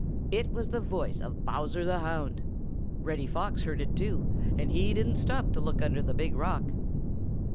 It was the voice of Bowser the Hound. Reddy Fox heard it, too, and he didn't stop to look under the big rock.